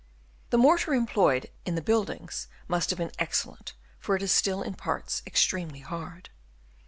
The mortar employed in the buildings must have been excellent, for it is still in parts extremely hard.